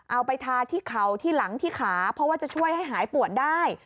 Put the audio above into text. เอาไปทาที่เข่าที่หลังที่ขาเพราะว่าจะช่วยให้หายปวดได้